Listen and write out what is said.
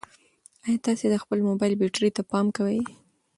ایا تاسي د خپل موبایل بیټرۍ ته پام کوئ؟